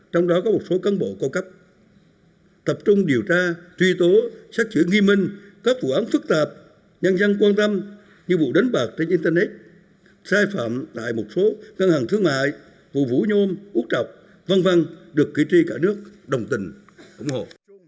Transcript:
trong đó có một số căn bộ cao cấp tập trung điều tra truy tố sát chữa nghi minh các vụ án phức tạp nhăn nhăn quan tâm như vụ đánh bạc trên internet sai phạm tại một số căn hàng thương mại vụ vũ nhôm út trọc v v được kỳ truy cả nước đồng tình ủng hộ